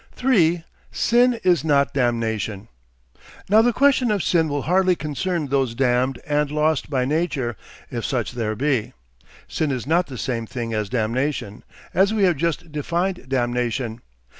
3. SIN IS NOT DAMNATION Now the question of sin will hardly concern those damned and lost by nature, if such there be. Sin is not the same thing as damnation, as we have just defined damnation.